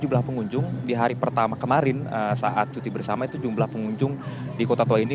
jumlah pengunjung di hari pertama kemarin saat cuti bersama itu jumlah pengunjung di kota tua ini